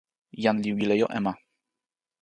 jan li wile jo e ma.